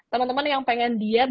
teman teman yang pengen diet